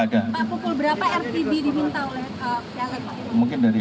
pak pukul berapa rtb diminta oleh